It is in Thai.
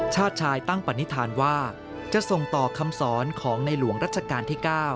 จะส่งต่อคำสอนของในหลวงรัชการที่๙